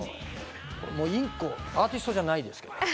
インコ、アーティストじゃないですけどね。